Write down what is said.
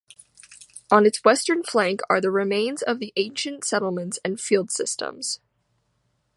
On its western flank are the remains of ancient settlements and field systems.